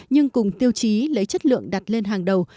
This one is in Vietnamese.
nhưng cùng tiêu chí lấy chất lượng đặt lên hàng đầu